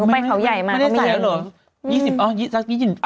ไม่ได้ใส่เหรอ